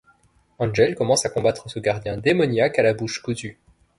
Angel commence à combattre ce gardien démoniaque à la bouche cousue.